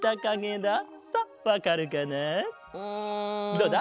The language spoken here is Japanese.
どうだ？